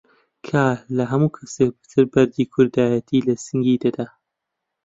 کە لە هەموو کەس پتر بەردی کوردایەتی لە سینگی دەدا!